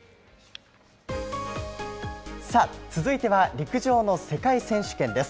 続いては陸上の世界選手権です。